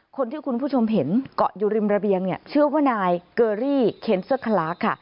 คุณผู้ชมเห็นเกาะอยู่ริมระเบียงเนี่ยชื่อว่านายเกอรี่เคนเซอร์คลาค่ะ